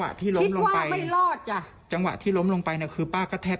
ถ้าลูกสาวไปออกมาและพระไม่ออกมา